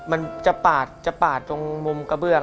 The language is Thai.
มันจะปาดตรงมุมกระเบื้อง